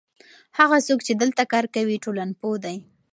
هغه څوک چې دلته کار کوي ټولنپوه دی.